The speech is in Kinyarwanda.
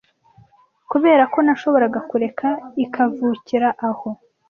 kuberako nashoboraga kureka ikavukira aho